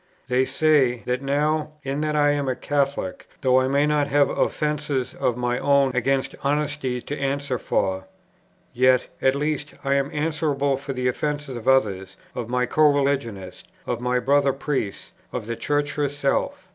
They say, that now, in that I am a Catholic, though I may not have offences of my own against honesty to answer for, yet, at least, I am answerable for the offences of others, of my co religionists, of my brother priests, of the Church herself.